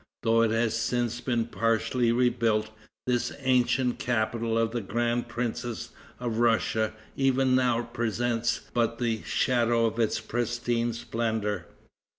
Though it has since been partially rebuilt, this ancient capital of the grand princes of Russia, even now presents but the shadow of its pristine splendor.